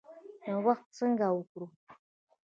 نوښت څنګه وکړو؟